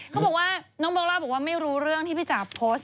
เขาบอกว่าน้องเบลล่าบอกว่าไม่รู้เรื่องที่พี่จ๋าโพสต์